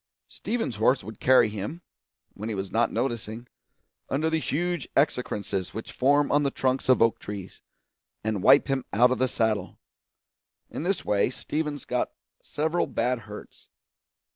Stevens's horse would carry him, when he was not noticing, under the huge excrescences which form on the trunks of oak trees, and wipe him out of the saddle; in this way Stevens got several bad hurts.